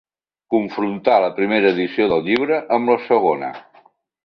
Confrontar la primera edició del llibre amb la segona.